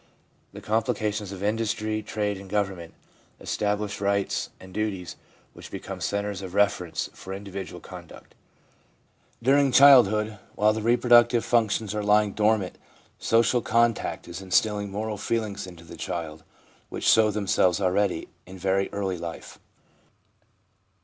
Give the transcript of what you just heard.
The complications of industry, trade and government establish rights and duties which become centres of reference for individual conduct. During childhood, while the reproductive functions are lying dormant, social contact is instilling moral feelings into the child which show themselves already in very early life.